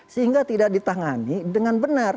sehingga tidak ditangani dengan benar